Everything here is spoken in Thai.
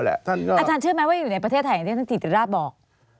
อาจารย์เชื่อไหมว่าอยู่ในประเทศไทยอย่างที่ท่านถิติราชบอก